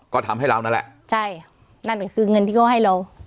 ก็ทำให้เรานั่นแหละใช่นั่นก็คือเงินที่เขาให้เรา